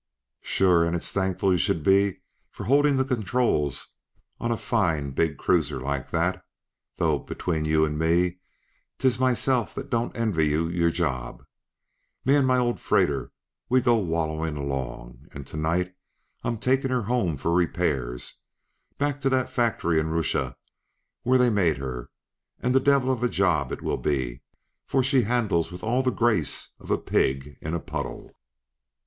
"Sure, and it's thankful you sh'u'd be to be holdin' the controls on a fine, big cruiser like that; though, betwixt you and me, 'tis myself that don't envy you your job. Me and my old freighter, we go wallowin' along. And to night I'm takin' her home for repairs back to the fact'ry in Rooshia where they made her; and the devil of a job it will be, for she handles with all the grace of a pig in a puddle."